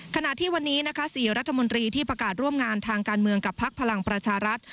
ขณะที่วันนี้นะคะ๔รัฐมนตรีที่ประกาศร่วมงานทางการเมืองกับพักพลังประชารัฐ